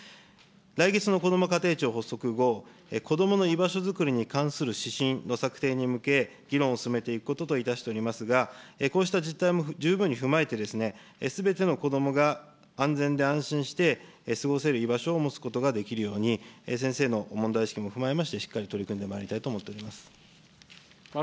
来月のこども家庭庁発足後、こどもの居場所づくりに関する指針の策定に向け、議論を進めていくことといたしておりますが、こうした実態も十分に踏まえて、すべてのこどもが安全で安心して、過ごせる居場所を持つことができるように、先生の問題意識も踏まえまして、しっかり取り組んでまいりたいと思っております。